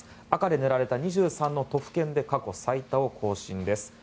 赤で塗られた２３の都府県で過去最多を更新です。